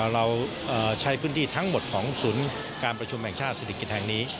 เราใช้พื้นที่ทั้งหมดของศูนย์การประชุมแห่งชาติศิริกิจแห่งนี้